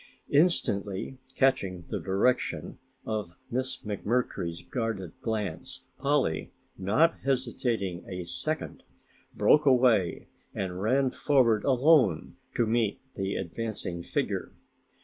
Instantly catching the direction of Miss McMurtry's guarded glance, Polly, not hesitating a second, broke away and ran forward alone to meet the advancing figure.